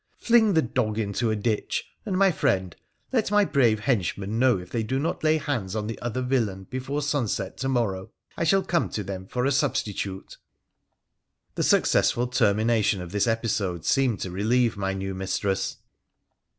Fling the dog into a ditch ! And, my friend, let my brave henchmen know if they do not lay hands on the other villain before sunset to morrow, I shall come to them for a substitute.' The successful termination of this episode seemed to relievo my new mistress.